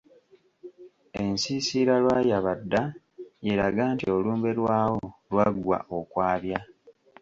Ensiisira Lwayabadda y’eraga nti olumbe lwawo lwaggwa okwabya.